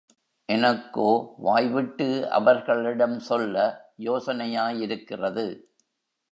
எனக்கோ வாய்விட்டு அவர்களிடம் சொல்ல யோசனையாயிருக்கிறது.